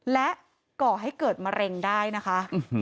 และก่อให้เกิดมะเร็งได้นะคะ